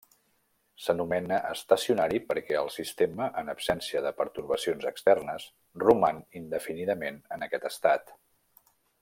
S'anomena estacionari perquè el sistema, en absència de pertorbacions externes, roman indefinidament en aquest estat.